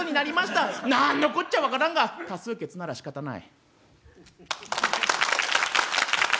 「何のこっちゃ分からんが多数決ならしかたない」。